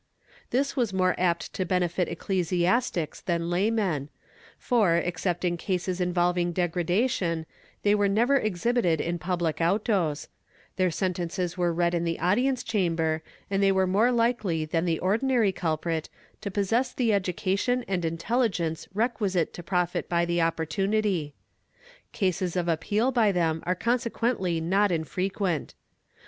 This was more apt to benefit ecclesiastics than laymen for, except in cases involving degradation, they were never exhibited in public autos; their sentences were read in the audience cham ber, and they were more likely than the ordinary culprit to possess the education and intelhgence requisite to profit by the opportunity. Cases of appeal by them are consequently not in frequent.